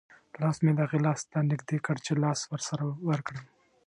لاس مې د هغې لاس ته نږدې کړ چې لاس ورسره ورکړم.